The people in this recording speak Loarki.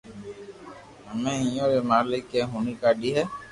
ھمي اپو ري مالڪ اي ھوڻي ڪاڌي ھي